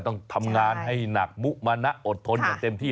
ต้องทำงานให้หนักมุมนะอดทนอย่างเต็มที่